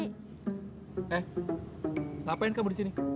eh ngapain kamu disini